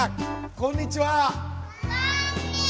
こんにちは！